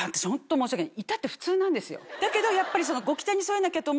申し訳ない。